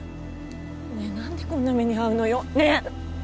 ねえ何でこんな目にあうのよねえ！